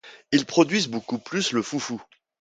Ils produisent beaucoup plus le foufou.